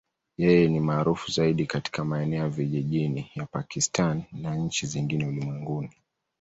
Yeye ni maarufu zaidi katika maeneo ya vijijini ya Pakistan na nchi zingine ulimwenguni.